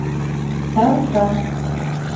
Чарша.